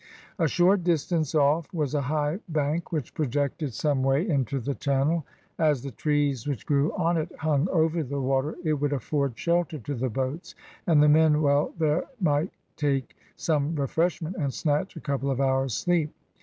A short distance off was a high bank which projected some way into the channel. As the trees which grew on it hung over the water it would afford shelter to the boats, and the men while there might take some refreshment, and snatch a couple of hours' sleep.